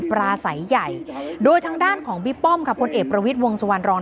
พลาสัยใหญ่โดยทางด้านของบี่ป้อมค่ะพลเอกประวิษฐิ์วงศ์สวรรค์